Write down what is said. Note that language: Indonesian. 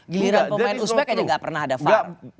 giliran pemain uspek aja nggak pernah ada var